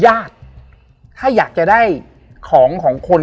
เพื่อที่จะให้แก้วเนี่ยหลอกลวงเค